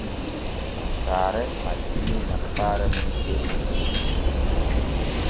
Saare majjinii malfaare mum jemma.